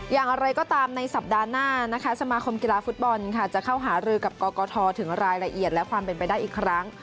อย่างไรก็ตามในสัปดาห์หน้านะคะสมาคมกีฬาฟุตบอลค่ะจะเข้าหารือกับกกทถึงรายละเอียดและความเป็นไปได้อีกครั้ง